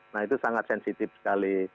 nah itu sangat sensitif sekali